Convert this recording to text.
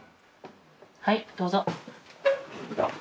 はいどうぞ。